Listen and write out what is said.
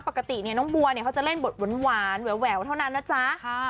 ปกติเนี่ยน้องบัวเนี่ยเขาจะเล่นบทหวานแหววเท่านั้นนะจ๊ะ